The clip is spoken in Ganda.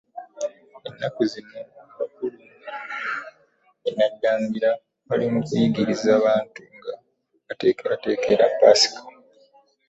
Ennaku zino abakulu e Naddangira bali mu kuyigiriza bantu, nga babateekerateekera Paska.